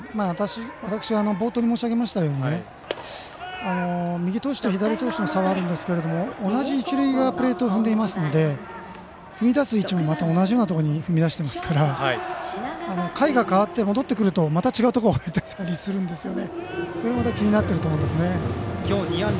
私が冒頭に申し上げましたように右投手と左投手の差はあるんですが、同じ一塁側のプレートを踏んでいますので踏み出す位置も同じようなところに踏み出してますから回が変わって戻ってくるとまた違うところが掘られてたりするんですね。